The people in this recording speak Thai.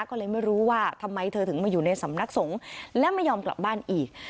ก็เลยไม่รู้ว่าทำไมเธอถึงมาอยู่ในสำนักสงฆ์และไม่ยอมกลับบ้านอีก